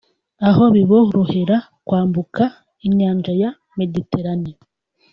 aho biborohera kwambuka inyanja ya Mediterane